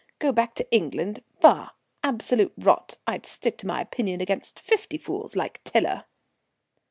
Go back to England! Bah! absolute rot. I'd stick to my opinion against fifty fools like Tiler."